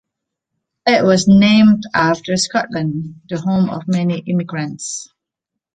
It was named after Scotland, the home of many immigrants.